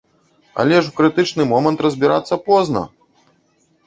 Але ж у крытычны момант разбірацца позна!